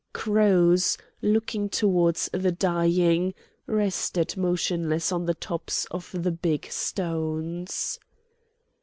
Crows, looking towards the dying, rested motionless on the tops of the big stones.